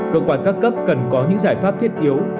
cơ quan các cấp cần có những giải pháp thiết yếu